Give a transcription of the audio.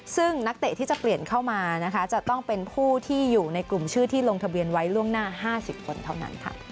ซึ่งนักเตะที่จะเปลี่ยนเข้ามานะคะจะต้องเป็นผู้ที่อยู่ในกลุ่มชื่อที่ลงทะเบียนไว้ล่วงหน้า๕๐คนเท่านั้น